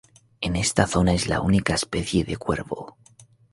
En esta zona es la única especie de cuervo.